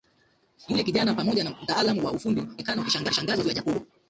Yule kijana pamoja na mtaalamu wa ufundi walionekana kushangazwa na maelezo ya Jacob